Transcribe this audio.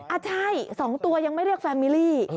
อ่ะใช่๒ตัวยังไม่เรียกแฟนมิลลี่